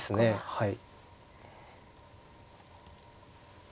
はい。